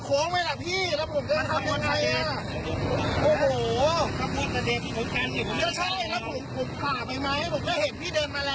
ก็ใช่แล้วผมข่าไปไหมผมก็เห็นพี่เดินมาแล้ว